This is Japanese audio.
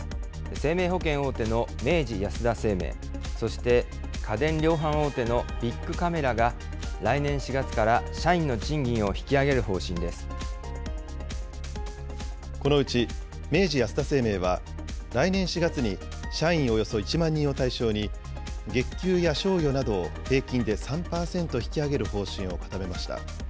生命保険大手の明治安田生命、そして家電量販大手のビックカメラが、来年４月から社員の賃金を引このうち明治安田生命は、来年４月に社員およそ１万人を対象に、月給や賞与などを平均で３％引き上げる方針を固めました。